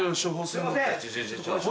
すいません。